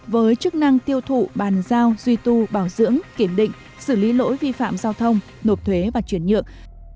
với chức năng tiêu thụ bàn giao duy tu bảo dưỡng kiểm định xử lý lỗi vi phạm giao thông nộp thuế và chuyển nhượng